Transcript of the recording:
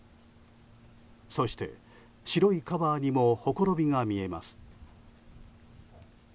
そして、白いカバーにもほころびが見えます。